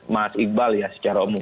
mas iqbal ya secara umum